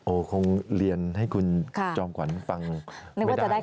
โอคงเรียนให้คุณจอมครรภ์ฟังไม่ได้